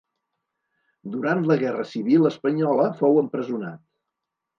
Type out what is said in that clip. Durant la guerra civil espanyola fou empresonat.